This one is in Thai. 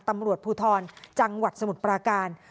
ตำรวจภูทรจสมุทรประการ